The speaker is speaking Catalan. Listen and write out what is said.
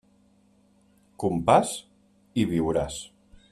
Compàs, i viuràs.